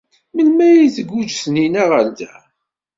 Melmi ay d-tguǧǧ Taninna ɣer da?